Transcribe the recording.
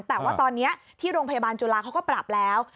แต่ว่าตอนนี้ที่โรงพยาบาลจุฬาเขาก็ปรับแล้ว